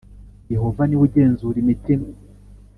yohova niwe ugenzura imitima